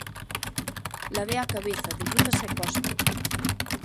Ladea a cabeza, debrúzase e cospe.